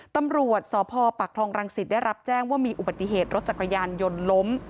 ตำรวจสพปักคลองรังสิตได้รับแจ้งว่ามีอุบัติเหตุรถจักรยานยนต์ล้ม